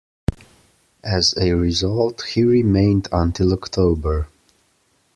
As a result, he remained until October.